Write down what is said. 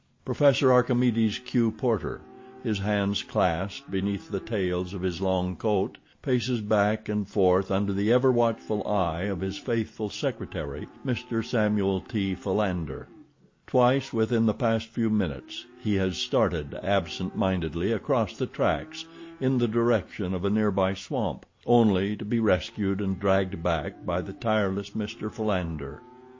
Professor Archimedes Q. Porter, his hands clasped beneath the tails of his long coat, paces back and forth under the ever watchful eye of his faithful secretary, Mr. Samuel T. Philander. Twice within the past few minutes he has started absent mindedly across the tracks in the direction of a near by swamp, only to be rescued and dragged back by the tireless Mr. Philander.